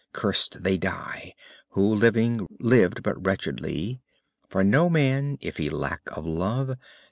Cursed they die Who living, lived but wretchedly; For no man, if he lack of love.